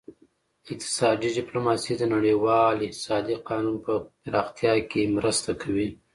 اقتصادي ډیپلوماسي د نړیوال اقتصادي قانون په پراختیا کې مرسته کوي